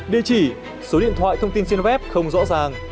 địa chỉ số điện thoại thông tin xin web không rõ ràng